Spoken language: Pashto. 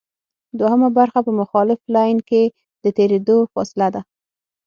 دوهمه برخه په مخالف لین کې د تېرېدو فاصله ده